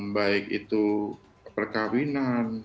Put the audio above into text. baik itu perkahwinan